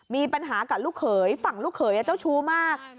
มีปัญหากับลูกเขยฝั่งลูกเขยเจ้าชู้มาก